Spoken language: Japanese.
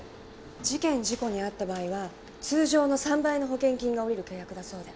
事件事故に遭った場合は通常の３倍の保険金がおりる契約だそうで。